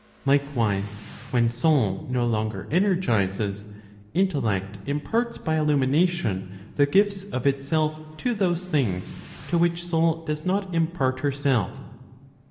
Likewise, when soul no longer energizes, intellect imparts by illumination the gifts of itself to those things to which soul does not impart herself.